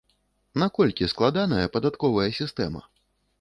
Наколькі складаная падатковая сістэма?